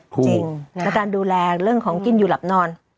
จริงแล้วการดูแลเรื่องของกินอยู่หลับนอน